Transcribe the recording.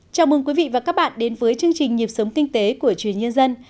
chào mừng quý vị và các bạn đến với chương trình nhịp sống kinh tế của truyền nhân dân